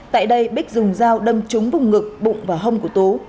tại đây bích dùng dao đâm trúng vùng ngực bụng và hông của tú